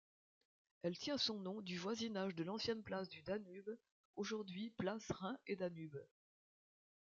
Elle tient son nom du voisinage de l'ancienne place du Danube, aujourd'hui place Rhin-et-Danube.